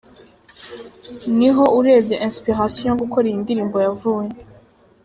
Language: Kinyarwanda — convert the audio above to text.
Niho urebye inspiration yo gukora iyi ndirmbo yavuye.